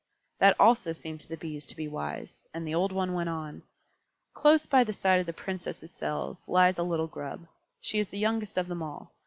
That also seemed to the Bees to be wise, and the old one went on, "Close by the side of the Princesses' cells lies a little Grub. She is the youngest of them all.